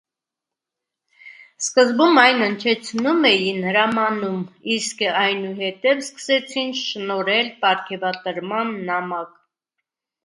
Սկզբում այն հնչեցնում էին հրամանում, իսկ այնուհետև սկսեցին շնորհել պարգևատրման նամակ։